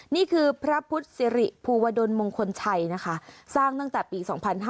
นี่คือพระพุทธศิริภูวดลมงคลชัยนะคะสร้างตั้งแต่ปี๒๕๕๙